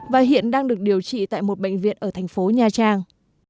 và hiện đang được điều trị tại một bệnh viện ở thành phố nha trang